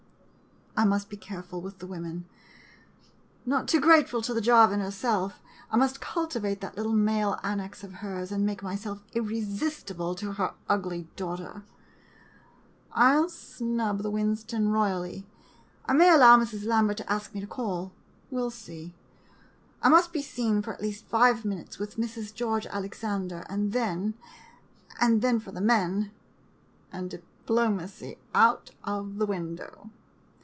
I must be careful with the women — not too grateful to the Jarvin herself. I must cultivate that little male annex of hers — and A MODERN BECKY SHARP make myself irresistible to her ugly daugh ter. I '11 snub the Winston royally. I may allow Mrs. Lambert to ask me to call — we '11 see. I must be seen for at least five minutes with Mrs. George Alexander — and then — and then for the men, and diplomacy out of the window.